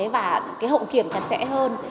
và cái hậu kiểm chặt chẽ hơn